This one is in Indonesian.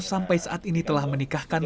sampai saat ini telah menikahkan